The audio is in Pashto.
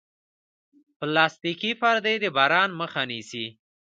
پلاستيکي پردې د باران مخه نیسي.